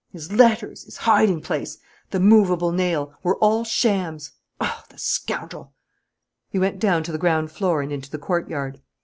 His letters, his hiding place, the movable nail, were all shams. Oh, the scoundrel!" He went down to the ground floor and into the courtyard.